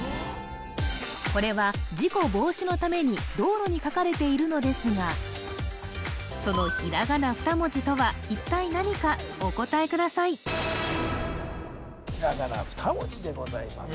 これは事故防止のために道路に書かれているのですがその一体何かお答えくださいひらがな２文字でございます